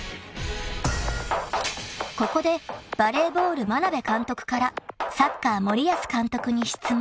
［ここでバレーボール眞鍋監督からサッカー森保監督に質問］